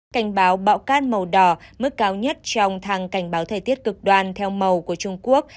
cảnh báo bão cát màu đỏ mức cao nhất trong thang cảnh báo thời tiết cực đoan theo màu của trung quốc